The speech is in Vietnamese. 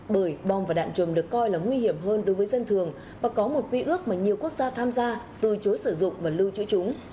bởi bom và đạn trùm được coi là nguy hiểm hơn đối với dân thường và có một quy ước mà nhiều quốc gia tham gia từ chối sử dụng và lưu trữ chúng